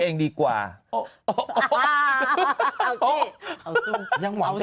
นี่นี่